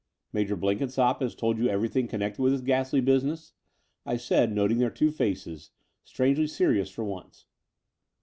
"Major Blenkinsopp has told you everything connected with this ghastly business?" I said, noting their two faces, strangely serious for once.